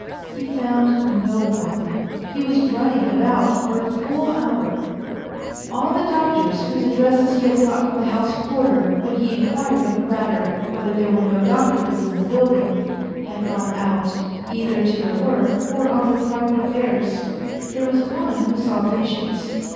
He found no one. He was running about for a full hour. All the doctors whose addresses he had got from the house porter when he inquired of the latter whether there were no doctor living in the building, had gone out, either to their work o 194 A FAINT HEART or on their private affairs. There was one who saw patients.